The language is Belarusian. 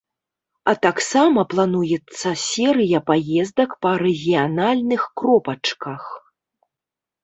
А таксама плануецца серыя паездак па рэгіянальных кропачках.